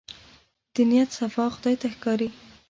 د نيت صفا خدای ته ښکاري.